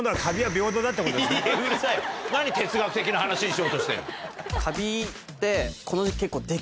何哲学的な話にしようとしてんの。